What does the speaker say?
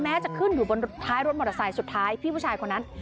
จะขึ้นอยู่บนท้ายรถมอเตอร์ไซค์สุดท้ายพี่ผู้ชายคนนั้น